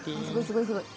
すごいすごい。